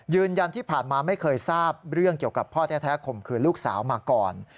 ยืนยันที่ผ่านมาไม่เคยทราบเรื่องเกี่ยวกับพ่อแท้ข่มขืนลูกสาวมาก่อน